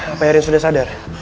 apa erik sudah sadar